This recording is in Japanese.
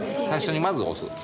最初にまず押す。